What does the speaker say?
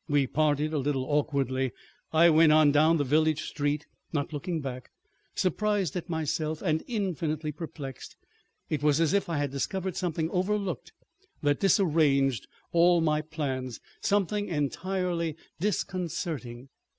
... We parted a little awkwardly. I went on down the village street, not looking back, surprised at myself, and infinitely perplexed. It was as if I had discovered something overlooked that disarranged all my plans, something entirely disconcerting.